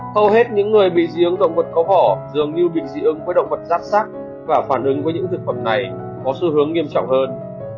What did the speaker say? hầu hết những người bị dị ứng động vật có vỏ dường như bị dị ứng với động vật rát sắc và phản ứng với những thực phẩm này có xu hướng nghiêm trọng hơn